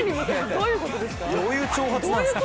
どういう挑発なんですか。